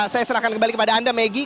saya serahkan kembali kepada anda maggie